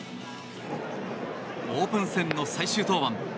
オープン戦の最終登板。